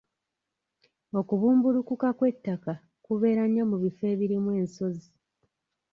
Okubumbulukuka kw'ettaka kubeera nnyo mu bifo ebirimu ensozi.